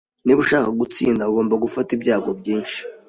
Niba ushaka gutsinda, ugomba gufata ibyago byinshi.